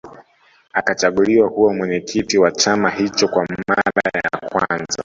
Akachaguliwa kuwa mwenyekiti wa chama hicho kwa mara ya kwanza